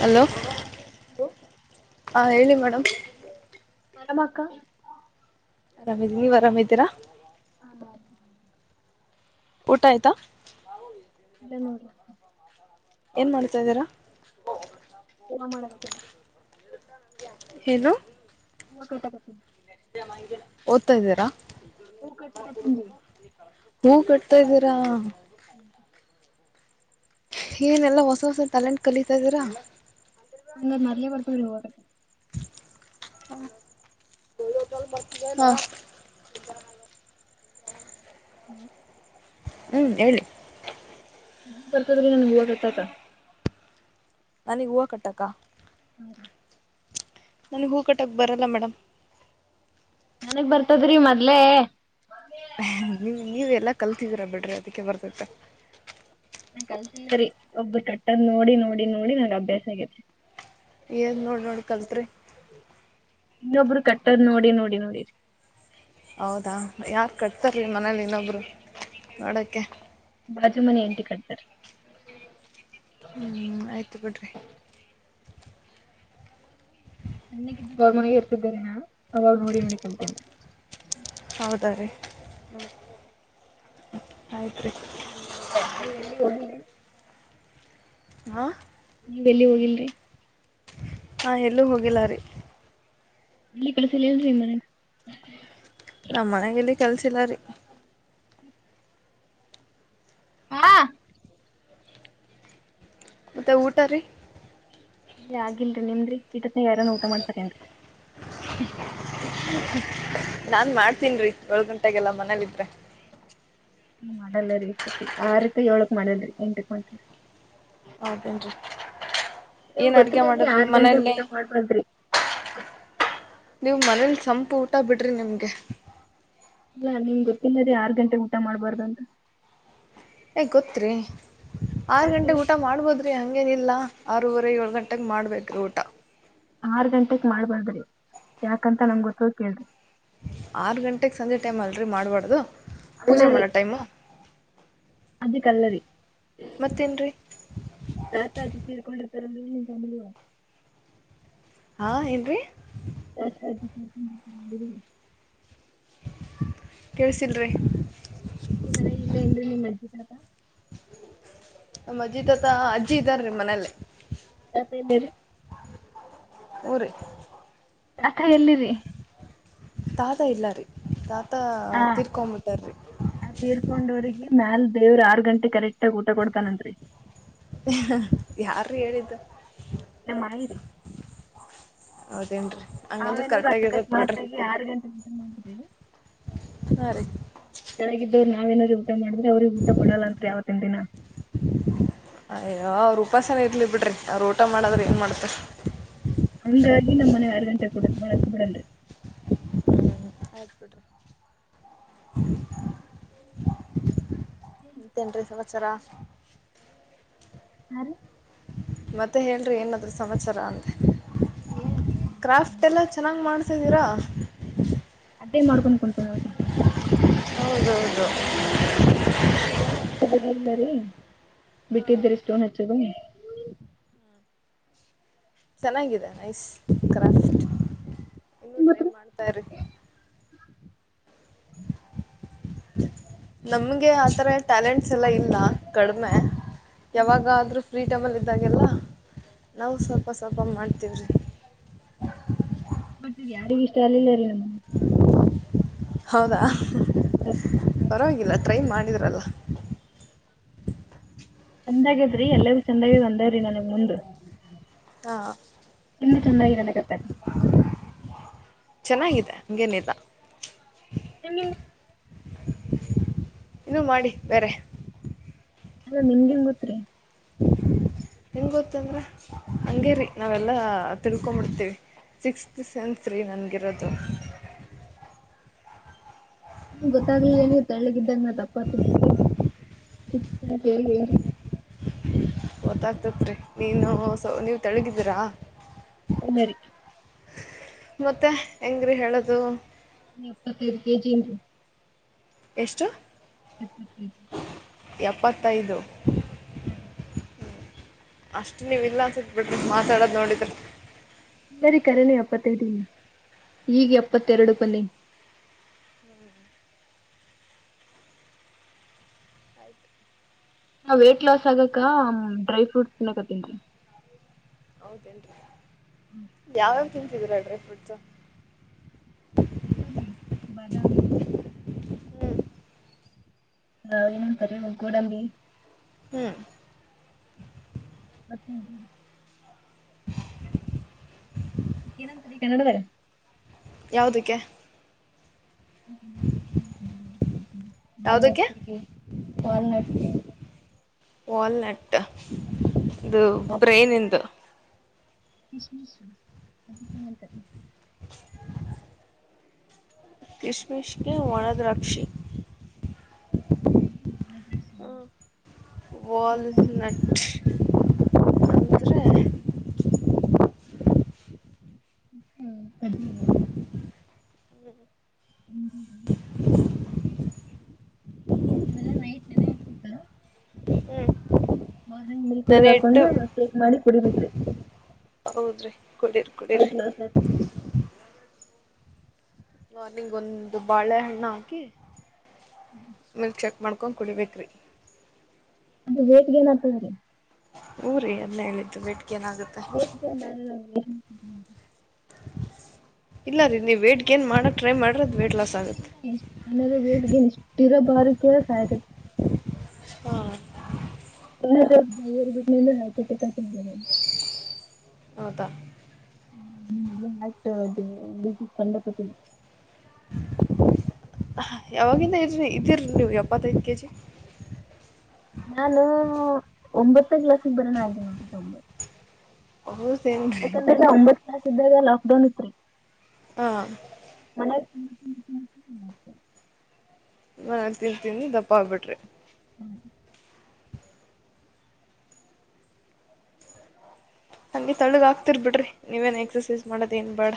Hello.. hello. ಹಾ ಹೇಳಿ madam. ಮನಮಕ್ಕ.. ಆರಾಮಿದೀ ನೀವ್ ಅರಾಮ್ದೀರಾ.. ಹದಾ.. ಊಟ ಆಯ್ತಾ ಎಲ್ಲ ನೂರ ಏನ್ ಮಾಡ್ತಾ್ದಾರ ಏನ ಮಾಡತನ್ ಏನು ಹೂ ಕಟ್ಟಾ ಕತ್ತಿನಿ. ಓದ್ತಾ ಇದ್ದೀರಾ. ಹೂ ಕಟ್ಟಕತ್ತೀನ್ರಿ ಹೂ ಕಟ್ತಾ ಇದೀರಾ. [inaudible] ಏನೆಲ್ಲಾ ಹೊಸ ಹೊಸ ಟ್ಯಾಲೆಂಟ್ ಕಲಿತಾ ಇದೀರಾ. ನಂಗದ ಮೊದ್ಲೆ ಬರ್ತಾದ್ರಿ ಹೂವಾ ಕಟ್ಟದ. ಹ್ ವಿಡಿಯೋ ಕಾಲ್ ಬರ್ತದೆನ ಮತ್ತ್ ಹ್ ಹ್ಮ ಹ್ಮ್ ಹೇಳಿ. ಮೊದ್ಲೆ ಬರ್ತದ್ರೀ ನನ್ಗ್ ಹೂವ ಕಟ್ಟಾಕ್ಕ. ನನಿಗ್ ಹೂವ ಕಟ್ಟಕ್ಕಾ. ನನ್ಗ್ ಹೂ ಕಟ್ಟಕ್ ಬರಲ್ಲ ಮೇಡಮ್. ನನಗ್ ಬರ್ತದ್ರಿ ಮೊದ್ಲೆೇ. ಹ್ ನೀವ್ ನೀವ್ ಎಲ್ಲಾ ಕಲ್ತಿದೀರಾ ಬಿಡ್ರಿ ಅದೀಕ್ಕೆ ಬರ್ತತ್ತ. ನಾ ಕಲ್ತಿಲ್ಲ ರಿ ಒಬ್ಬೂರ ಕಟ್ಟದ್ ನೋಡಿ ನೋಡಿ ನೋಡಿ ನಂಗ ಅಭ್ಯಾಸ ಆಗೈತಿ. ಏನ್ ನೋಡ್ ನೋಡ್ ಕಲ್ತ್ರಿ. ಇನ್ನೊಬ್ರು ಕಟ್ಟದ್ ನೋಡಿ ನೋಡಿ ನೋಡಿರಿ. ಹೌದಾ ಯಾರ್ ಕಟ್ತಾರೀ ಮನೇಲಿ ಇನ್ನೊಬ್ರು ನೋಡಕೆ. ಬಾಜು ಮನಿ ಆಂಟಿ ಕಟ್ತಾರ. ಹ್ಮ್ ಆಯ್ತು ಬಿಡ್ರಿ. ಸನ್ಯಕಿ ಇದ್ದಾಗ ಅವ್ರ ಮನ್ಯಗೆ ಇರ್ತಿದ್ದರಿ ನಾ ಅವಾಗ ನೋಡಿ ನೋಡಿ ಕಲ್ತೀನ್ರಿ. ಹೌದಾ ರೀ. ಆಯ್ತ್ರಿ. ನೀವ್ ಎಲ್ಲಿಗ್ ಹೋಗಿಲ್ರಿ. ಹಾ ನೀವ್ ಎಲ್ಲಿಗ್ ಹೋಗಿಲ್ರಿ. ಹಾ ಎಲ್ಲೂ ಹೋಗಿಲ್ಲಾರಿ. ಎಲ್ಲಿ ಕಲಿಸಿಲೆನ್ರಿ ನಿಮ್ ಮನೆರ್. ನಮ್ಮ್ ಮನ್ಯಾಗ ಎಲ್ಲಿ ಕೆಲ್ಸ ಇಲ್ಲಾರಿ. ಹಾ ಮತ್ತೆ ಊಟ ರೀ. ಅದೆ ಆಗಿಲ್ರಿ ನಿಮ್ದ್ರಿ ಇಟತ್ನ್ಯಾಗ ಯಾರನ್ ಊಟ ಮಾಡ್ತಾರ ಏನ್ರಿ. ನಾನ್ ಮಾಡ್ತೀನ್ರಿ ಏಳ್ ಗಂಟಾಗೆಲ್ಲಾ ಮನೇಲ್ ಇದ್ರೆ. ನಾವ್ ಮಾಡಲ್ಲರಿ ಸ ಆರಕ್ ಏಳಕ್ ಮಾಡಲ್ರಿ ಎಂಟಕ್ ಮಾಡ್ತೇವ್ರಿ. ಹೌದೇನ್ರಿ. ನಿಮುಗ್ ಏನ್ ಅಡ್ಗೆ ಗೊತ್ತಿಲೆನ್ರಿ ಮಾಡದ್ರಿ ಆರ್ ಗಂಟೆಗ ಮನೇಲಿ ಊಟ ಮಾಡ್ಬಾದ್ರಿ. ನೀವು ಮನೇಲಿ ಸಂಪು ಊಟ ಬಿಡ್ರಿ ನಿಮ್ಗೆ. ಅಲ್ಲಾ ನಿಮಿಗ್ ಗೊತ್ತಿಲರಿ ಆರ್ ಗಂಟೆ ಊಟ ಮಾಡ್ಬಾರ್ದ ಅಂತ. ಏ ಗೋತ್ರಿ ಆರ್ ಯಾಕ್ ಗಂಟೆಗ ಹೇಳ್ರಿ ಊಟ ಮಾಡ್ಬೋದ್ರಿ ಹಂಗ್ ಹಂಗೇನಿಲ್ಲ ಆರೂವರೆ ಏಳ್ ಗಂಟೆಗ ಮಾಡ್ಬೇಕ್ರಿ ಊಟ. ಆರ್ ಗಂಟೆಕ್ ಮಾಡ್ಬಾರದ್ರಿ ಯಾಕಂತ ನಮ್ಗೊತ್ತದ ಕೇಳ್ರಿ. ಆರು ಗಂಟೆಗೆ ಸಂಜೆ ಟೈಮ ಅಲ್ ರರಿ ಮಾಡಬಾರ್ದು ಅಲ್ಲರಿ ಅದಕ ಅಲ್ಲರಿ. ಮತ್ತೇನ್ರಿ. [unintelligible] ಮಾಡಿಲ್ಲ. ಹಾ ಏನ್ರಿ. ಎಸ್ಟ ಗಂಟೆಗ್ [unintelligible] ಕೆಳಸಿಲ್ರಿ. ನಿಮ್ ಮನ್ಯಾಗ ಇಲ್ಲೆನ್ರಿ ನಿಮ್ ಅಜ್ಜಿ ತಾತ. ನಮ್ ಅಜ್ಜಿತಾತ ಅಜ್ಜಿ ಇದ್ದಾರೀ ಮನೇಲಿ. ಅತ್ತಲ್ಲ ಹು ರಿ ರಥ ಎಲ್ಲಿರಿ ತಾತ ಇಲ್ಲಾರಿ ತಾತ ಆ ತಿರ್ಕೊಬಿಟ್ಟಾರ್ರಿ ಮ್ಯಾಲ ದೇವ್ರ ಆರ್ ಗಂಟೆ ಕರೆಕ್ಟ್ ಆಗ ಊಟ ಕೊಡ್ತಾನನ್ರಿ ಯಾರು ಹೇಳಿದ್ದು ಇ ಮಾಡಿರಿ ಹೌದೇನ್ರಿ ಹಂಗಂದ್ರೆ ಅವೇನ್ರ ಕರೆಕ್ಟಾಗಿ ಇರತ್ ಅಕಸ್ಮಾತ್ ಬಿಡ್ರಿ ಆಗಿ ಆರು ಗಂಟೆ ಹಾಂ ರೀ ಚೆನ್ನಾಗಿದ್ದವರು ನಾವೇನಾದ್ಯಾ ಊಟ ಮಾಡಿದ್ರೆ ಅವ್ರಗ್ ಊಟ ಕೊಡಲ್ಲ ಅಂತ್ ಯಾವತ್ತಿನ ದಿನ ಅಯ್ಯ ಅವ್ರು ಉಪಾಸನ ಇರ್ಲಿ ಬಿಡ್ರಿ ನ್ ಊಟ ಮಾಡಾದ್ರೆ ಏನ್ ಮಾಡ್ತ ಹಂಗಾಗಿ ನಮ್ಮ್ ಮನೆ ಆರ್ ಗಂಟೆ ಕೊಡ ಬಿಡನ್ಯ ಆಯ್ತು ಬಿಡ್ರಿ ಮತ ಸಂವತ್ಸರ ಹ ರೀ ಮತ್ತೆ ಹೇಳಿ ಏನಾದ್ಯ ಸಮಾಚಾರ ಅಂತ ರೀ ಹೇಳ್ರಿ ಕ್ರಾಫ್ಟ್ ಹ್ಮ್ ಎಲ್ಲ ಚೆನ್ನಾಗ್ ಮಾಡ ದರ ಅಡ್ಡೇ ಮಾಡ್ಕೊಂಡ್ ಕುತೇವಿ ಅವ್ರಿಗೆ ಹೌದೌದು ಒ ಬ ಇಲ್ಲ ರೀ ಬಿಟ್ಟಿದರಿಷ್ಟೋ ಹೆಚ್ಚದ ಚೆನ್ನಾಗಿದೆ ನೈಸ್ ಕ್ರಾಫ್ಟ ಇನ್ನುೂ ಬಟ್ ಟ್ರೈ ಮಾಡ್ತಾ್ರಿ ಹ್ಮ ನಮ್ಗೆ ಆತರ ಟ್ಯಾಲೆಂಟ್ಸ್ ಎಲ್ಲ ಇಲ್ಲ ಕಡಿಮೆ ಯಾವಾಗಾದ್ರೂ ಫ್ರೀಜ. ಟಬಲ್ ಇದ್ದಾಗೆಲ್ಲ ನಾವು ಸ್ವಲ್ಪ ಸ್ವಲ್ಪ ಮಾಡ್ತೀವ್ರಿ. ಬ ಯಾರಿಗ ಇಷ್ಟ ಅಲ್ಲಿಿಲ್ಲ ರೀಗೆ. ಹೌದಾ. ಹ್ಮ. ಪರವಾಗಿಲ್ಲ ಟ್ರೈ ಮಾಡಿದ್ರಲ್ಲ. ಚಂದಾಗ್ಯದ್ರಿ ಎಲ್ಲರಿೂ ಚಂದಾಗಿ ಬಂದವ್ರಿ ನನಗ್ ಮುಂದ. ಹಾ ಇಲ್ಲಿ ಚೆನ್ನಾಗಿ ನನಗೆತನೆ. ಚೆನ್ನಾಗಿದೆ ಹೇನಿಲ್ಲ. ನೀವು. ಇನ್ನುೂ ಮಾಡಿ ಬೇರೆ. ಅಲ್ಲ ನಿಮಗೆಿನ್ ಗೊತ್ರಿ. ಹೆಂಗ್ ಗೊತ್ತಂದ್ರ ಹಂಗೇರಿ ನಾವೆಲ್ಲಾ ತಿಳ್ಕೊಂಬಿಡ್ತೀವಿ. ಸಿಕ್ಸ್ತ್ ಸೆಂರಿ ನನಗಿರೋದು. [unintelligible] ನಿಮ್ ಗೊತ್ತಾಗ್ಲಿಲ್ಲ ನೀವ ತಳ್ಳಿಗ ಇದ್ದಾಗ ನ ತಪ್ಪಾತೀಿನಂತೆ. [unintelligible] ಗೊತ್ತಾಗ್ತತ್ರಿ ನೀನುಸ ನೀವ್ ತಳಗಿದ್ದೀರಾ. ಒನ್ನರಿ. ಮತ್ತೆ ಹೆಂಗ್ರೀ ಹೇಳದು. ನೀ ಎಪ್ಪತ್ತೈದು ಕೆಜಿಂಟ. ಎಷ್ಟು. [unintelligible] ಎಪ್ಪತ್ತೈದು. ಹ್ಮ್. ಅಷ್ಟು ನೀವ ಇಲ್ಲ ಅನ್ಸತ್ ಬಿಡ್ರಿ ಮಾತಾಡೋದು್ ನೋಡಿದ್ರಿ. ರಿ ಕರೆನೇ ಎಪ್ಪತ್ತೈದುನ ಈಗ ಎಪ್ಪತ್ತೆರಡು ಪನೆ. ನಾ ವೈಟ್ ಲಾಸ್ ಆಗಕ್ಕ ಡ್ರೈ ಫ್ರೂಟ್ ತಿನಕತೀನಿ ರೀ ಹೌದೇನ್ರಿ ಯಾವ್ಯಾವ ತಿಂತಿದೀರಾ ಡ್ರೈ ಫ್ರೂಟ್ಸ್ ಇವ್ರಿ ಬಾದಾಮಿ ಹ್ಞೂ ಹಾ ಏನಂತಾರೆ ಗೂಡಂಬಿ. ಹ್ಮ್. ಮತ್ತೆ ಏನಂತಾರೆ ಕನ್ನಡದಾಗ ಯಾವುದಕ್ಕೆ. ಯಾವುದಕ್ಕೆ ಮಲ್ನಾಟ್ಟ ಲ್ನಾಟ. ವಾಲ್ನಟ್ ಇದು ಬ್ರೇನ್ ಇಂದು. ಕಿಸ್ಮ ಅದ ಮಾಡತ. ಕಿಸ್ಮಶಕ್ಕೆ ಒಣದ ರಾಕ್ಷಕ್ಷಿ. ಹದೇ. ಹ್ಮ ಬಲ್ಸ ನ. ಇತ್ತ ಹ್ಮ. ಹ್ಮ್ ಅದ. ಹ್ಮ ಹ. ಇಲ್ಲ ನೈಟ್ ನನ ಆ. ಮಾರ್ಂಗ ಮ ಕುಳದ ನೆನೆ ಇಟ್ಟು ಹಾಕೊಂಡು ಶೇಕ್ ಮಾಡಿ ಕುಡಿಬಿಟ್ರಿ. ಹೌದ್ರಿ ಕುಡೀರಿ ಕುಡ್ರರಿ. ವೇಟ್ ಲಾಸ್ ಆಗ್ತದ. ಮಾರ್ನ್ಗ್ ಒಂದು ಬಾಳೆಹಣ್ಣ ಹಾಕಿ ಮ ಚ. ಮಾಡ್ಕೊಂಡು ಕುಡಿಬೇಕ್ರೀ. ಅದು ವೈಟ್ ಗೈನ್ ಆಗ್ತದ್ರಿ ಹೂ ರಿ ಅದೆ ಹೇಳಿದ್ದು ವೈಟ್ ಗೇನ್ ಆಗುತ್ತೆ ಹ್ಞ [inaudible] ಇಲ್ಲ ರೀ ನೀವು ವೈಟ್ ಗೈನ್ ಮಾಡಕ್ ಟ್ರೈ ಮಾಡ್ ಇಲ್ಲಾ ರೀ [inaudible] ಬೇಟ್ಗ ಇಷ್ಟ ಇರಬಾರು ಕೆಲಸ ಆಯತದೆ ಹಾ ಹ ಹತ ಕ [inaudible] ಹೌದಾ ಹ್ಮ ಎಲ್ಲ ಆತ ಕಂಡಪತನ [inaudible] ಯಾವಾಗಿಂದ ಇದ್ರಿ ಇದಿರರಿ ನೀವ್ ಎಪ್ಪತ್ತೈದ ಕೆಜಿ ನಾನು ಒಂಬತ್ತೇ ಗ್ಲಾಸ್ ಗೆ ಬರೋನ ಅದಿನ ತಂಬ ಹೌದೇನ್ರೀ ನ ಸಿದ್ದಾಗ ಲಾಕ್ಡೌನ್ ಇತ್ರಿ ಹಾ ಮನ್ಯಾಗ ನಾ ನಾ ತಿನ್ಂತೀನಿ ದಪ್ಪ ಆಗ್ಬಿಟ್ರಿ ಹ್ಮ್ [inaudible] ಹಂಗೆ ತಳ್ಳಗ್ ಆಗ್ತಿರ್ ಬಿಡ್ರಿ ನೀವೇನ್ ಎಕ್ಸಸೈಸ್ ಮಾಡದ ಏನ್ ಬೇಡ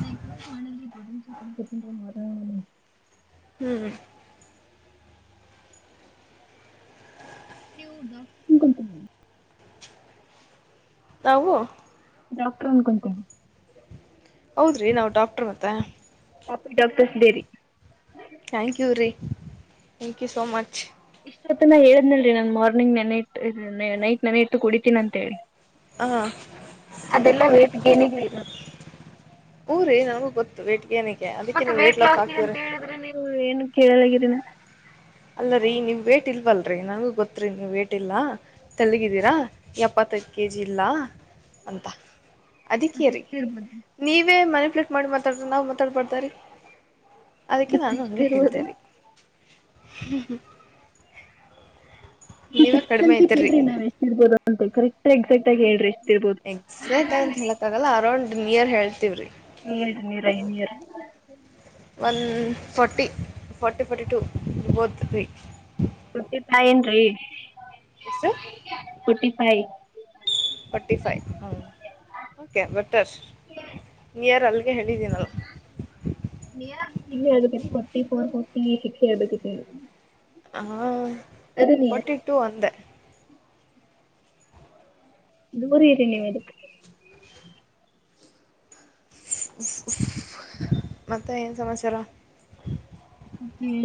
ನಾ ಇ ಮನಲಿಡನ ಮರ [inaudible] ಹ್ಮ್ ನೀವುಡಾಕ್ [inaudible] ತವು ಡಾಕ್ಟರ್ ಅನ್ಕೊಂತೇನೆ ಹೌದ್ರಿ ನಾವು ಡಾಕ್ಟರ್ ಮತ್ತೆ ಪಾಪರಿ ಡಾಕ್ಟರ್ಸ್ಡೇರಿ [inaudible] ಥ್ಯಾಂಕ್ ಯು ರೀ ಥ್ಯಾಂಕ್ ಯು ಸೋ ಮಚ್ ಇಸ್ಟೊ ತನ ಹೇಳದ್ನಲ್ರಿ ನಾನ್ ಮಾರ್ನಿಂಗ್ ನೆನೆ ಇಟ್ಟು ನ ನೈಟ್ ನೆನೆ ಇಟ್ಟು ಕುಡಿತೀನ ಅಂತ ಹೇಳಿ ಹಾಂ ಅದೆಲ್ಲ ವೈಟ್ ಗೆನ್ ಗ್ ಇರದು ಹ್ಞೂ ರೀ ನನಗೂ ಗೊತ್ತು ವೈಟ್ಗೆನೆ ಮತ್ತೆ ವೇಟ್ ಲಾಸ್ಗಂತ ಹೇಳಿದ್ರೆ ನೀವೂ ಏನು ಕೇಳಲಗಿರ ಅಲ್ಲರೀ ನೀವ್ ವೇಟ್ ಇಲ್ವಲ್ರರಿ ನನಗು ಗೊತ್ತ್ರಿ ನೀವ್ ವೇಟ್ ಇಲ್ಲ ತಳ್ಳಗಿದೀರಾ ಎಪ್ಪತ್ ಎಪ್ಪತ್ ಕೆಜಿಇಲ್ಲಾ ಅಂತ ಮತ್ತ ಅದಕ್ಕೆ ರೀ ಎಷ್ಟ ಇರ್ಬೋದು ನೀವೇ ಮನ್ಯುಪ್ಲೇಟ್ ಮಾಡಿ ಮಾತಾಡ್ರ ನಾವ್ ಮಾತಾಡ್ಬಡ್ತಾರೀ ಅದಕ್ಕೆ ಮತ್ತ ನಾನು ಎಷ್ಟ ಹಂಗೆ ಹೇಳ್ದೆ ಇರ್ಬೋದ್ರಿ ರಿ ಹ ನೀವ್ ಸಿಕ್ಷ್ಸೆಂಸು ಕೇಳ್ರಿ ನಾವ್ ಎಷ್ಟು ಇರ್ಬೋದು ಅಂತ ಕರೆಕ್ಟ್ ಎಕ್ಸಾಕ್ಟ್ ಆಗಿ ಹೇಳ್ರಿ ಇರ್ಬೋದು ಎಕ್ಸಾಕ್ಟ್ ಆಗಂತ ಹೇಳಕ್ ಆಗಲ್ಲ ಅರೌಂಡ್ ನಿಯರ್ ಹೇಳ್ತವ್ರಿ ಎಏಡ್ ನೀರ್ ಐನರ್ one forty forty forty two both ಇದ್ವಿ ಫಟಿ ಫೈ ಏನ್ ರಿ ಎಷ್ಟು ಫಟಿ ಫೈ ಫರ್ಟಿ ಫೈವ್ ಹು ಓಕೆ ಬಟ್ಟು ನಿಯರ್ ಅಲ್ಲಿಗೆ ಹೇಳಿದ್ದೀನಲ್ಲ ಗೆ ಶಿಕ್ಷೆ ಇರ್ಬೇಕಿ ನಿಮಗೆ ಹಾ ಫರ್ಟಿ ಟೂ ಅಂದೆ ದೂರ ಇರಿ ನೀವು ಅದಕ್ಕೆ ಮತ್ತೆ ಏನು ಸಮಾಚಾರ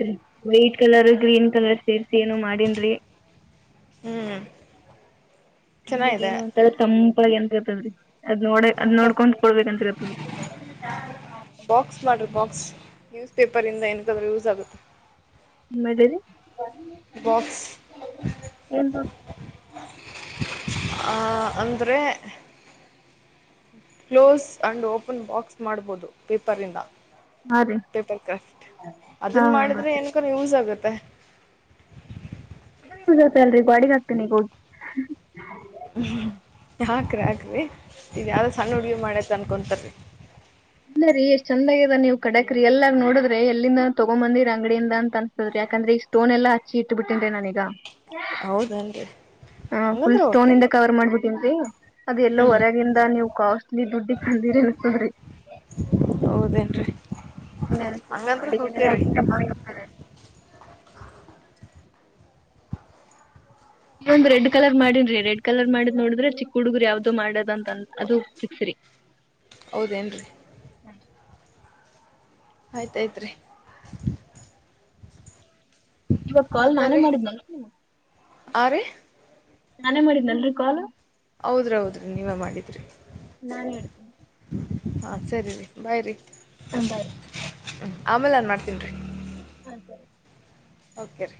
ಡ್ರಿ ವೈಟ್ ಕಲರ್ ಗ್ರೀನ್ ಕಲರ್ ಸೇರ್ಸಿ ಏನು ಮಾಡಿನ್ರಿ ಹ್ಮೂ ಕಣ್ಣಿಗ್ ಏನೊ ಒಂತರ ತಂಪಾಗಿ ಎಂತತದ್ರಿ ಅದ್ ನೋಡ ಅದ್ ಸ್ವಲ್ ನೋಡ್ಕೊಂಡ್ ಕುಡ್ಬೇಕಂತ ಅದ್ರಿಅದು ಬಾಕ್ಸ್ ಮಾಡ್ರಿ ಬಾಕ್ಸ್ ನ್ಯೂಸ್ ಪೇಪರ್ ಇಂದ ಏನಾಕ್ಕಾದ್ರು ಯೂಸ್ ಆಗುತೆ ಮಡರಿ ಏನ್ [unintelligible] ಆ ಅಂದರೆ ಕ್ಲೋಸ್ ಅಂಡ್ ಓಪನ್ ಬಾಕ್ಸ್ ಮಾಡ್ಬೋದು ಪೇಪರ್ ಇಂದ ಹಾ ರೀ ಪೇಪರ್ ಕ್ರಾಫ್ಟ್ ಹಾ ಅದನ್ ಮಾಡಿದ್ರೆ ಏನ್ಕ ಯೂಸ್ ಆಗುತ್ತೆ ಬ ಅಲ್ರಿ ಬಾಡಿಗೆ ಆಗ್ತೀನಿಗ ಹೋಗಿ ಹ್ಮ ಹಾಕ್ರರಿ ಹಾಕ್ರರಿ ಇದ ಯಾವ್ದ ಸಣ್ಣ ಹುಡುಗಿ ಮಾಡ್ಯತ್ ಅನ್ಕೊತಾರರಿ ಎಷ್ಟ ಚಂದಾಗಿದೆ ನೀವು ಕಡಕ್ರಿಯಲ್ ಆಗ ನೋದ್ರೆ ಎಲ್ಲಿಂದ ತಗೊಂಬಂದಿರ ಅಂಗಡಿಯಿಂದ ಅನ್ಸತದ್ರಿ ಯಾಕಂದ್ರೆ. ಸ್ಟೋನ್ ಎಲ್ಲ ಹಚ್ಚಿ ಇಟ್ಟು ಬಿಟ್ಟಿದ್ದೆ ನಾನೀಗ ಹೌದನ್ರಿ. ಹ ಫುಲ್ ಸ್ಟೋನ್ ಇಂದ ಕವರ್ ಮಾಡ್ಬಿಟ್ಟನ್ರಿ. ಅದ ಎಲ್ಲೋ ಹ್ಞೂ ಹೊರಗಿಂದ ನೀವು ಕಾಸ್ಟ್ಲಿ ದುಡ್ಡಿ ಕಂಡೀರಿ ಅನ್ಕೊಂಡ್ರಿ. ಹೌದನ್ ರೀ ಎಲ್ಲ ಅತಿದ್ರಿ ಅಡಿಗೆಲ್ಲಾರ ರೀ ಹಾಕ್ರ ಬಾಳ ಹೋಗ್ತ. ನೀ ಒಂದ್ ರೆಡ್ ಕಲರ್ ಮಾಡಿನ್ ರಡ್ ಕಲರ್ ಮಾಡಿದ್ ನೋಡ್ರೆ ಚಿಕ್ಕ ಹುಡುಗರು ಯಾವ್ದೋ ಮಾಡೋದ ಅ ಅದು ತಿಕ್ಸ್ರಿ. ಹೌದೇನ್ರಿ. ಆಯ್ತಾಯ್ತ್ರಿ ಇವಾಗ ಕಾಲ್ ನಾನೇ ರೀ ಮಾಡಿದ್ನಲ್ ನೀ ಆ ರೀ ನಾನೇ ಮಾಡಿದ್ದನಲ್ರರಿ ಕಾಲು ಹೌದ್ರೌದ್ರಿ ನೀವೇ ಮಾಡಿದ್ರಿ ನಾನನ್ ಹೇಳಳ್ತನೆ ಹಾ ಸರಿ ರೀ ಬಾಯ್ರರಿ ಬಾಯ್ ಆಮೇಲೆ ನ್ ಮಾಡ್ತನ್ರಿ ಹ ಸರಿ ಓಕೆ ರೀ